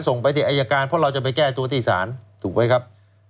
ส่งไปที่อายการเพราะเราจะไปแก้ตัวที่ศาลถูกไหมครับ